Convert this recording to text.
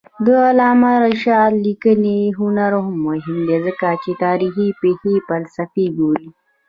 د علامه رشاد لیکنی هنر مهم دی ځکه چې تاریخي پېښې فلسفي ګوري.